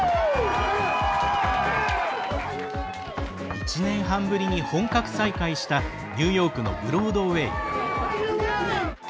１年半ぶりに本格再開したニューヨークのブロードウェイ。